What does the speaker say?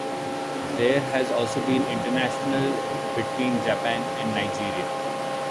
There has also been an international between Japan and Nigeria.